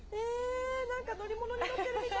乗り物に乗っているみたい。